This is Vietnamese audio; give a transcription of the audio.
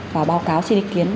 và báo cáo xin ý kiến về